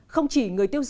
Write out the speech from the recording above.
không chỉ người tiêu dùng